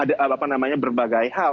apa namanya berbagai hal